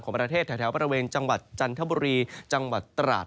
ประเทศแถวบริเวณจังหวัดจันทบุรีจังหวัดตราด